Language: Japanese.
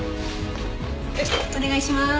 お願いしまーす。